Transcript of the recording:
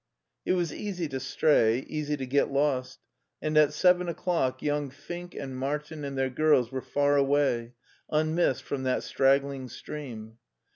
It was easy to stray, easy to get lost, and at seven o'clock young Fink and Martin and their girls were far away, unmissed from that straggling stream.